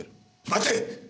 待て！